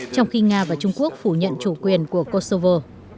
trong khi nga và trung quốc phủ nhận chủ quyền của kosovo